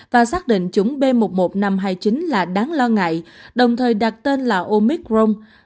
và xác định chủng b một mươi một nghìn năm trăm hai mươi chín là đáng lo ngại đồng thời đặt tên là omicron